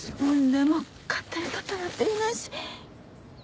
でも勝手に取ったなんて言えないし。